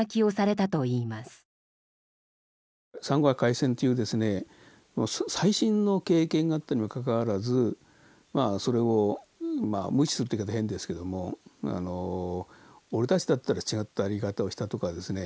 珊瑚海海戦というですね最新の経験があったにもかかわらずそれを無視するという言い方は変ですけども俺たちだったら違ったやり方をしたとかですね